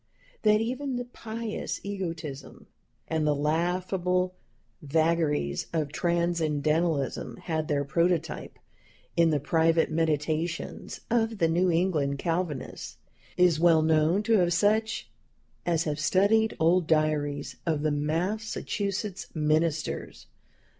" That even the pious egotism and the laughable vagaries of Transcendentalism had their prototype in the private meditations of the New England Calvinists, is well known to such as have studied old diaries of the Massachusetts ministers.